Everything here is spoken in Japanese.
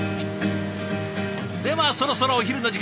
ではそろそろお昼の時間。